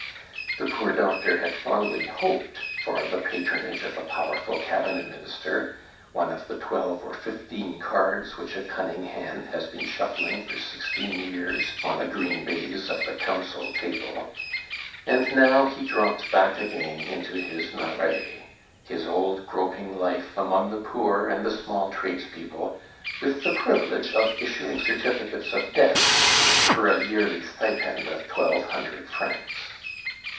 The poor doctor had fondly hoped for the patronage of a powerful cabinet minister, one of the twelve or fifteen cards which a cunning hand has been shuffling for sixteen years on the green baize of the council table, and now he dropped back again into his Marais, his old groping life among the poor and the small tradespeople, with the privilege of issuing certificates of death for a yearly stipend of twelve hundred francs.